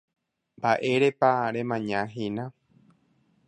Mba'érepa remañahína.